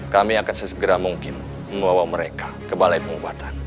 kami akan sesegera mungkin membawa mereka ke balai pengobatan